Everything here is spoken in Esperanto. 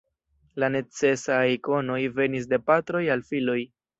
La necesaj konoj venis de patroj al filoj.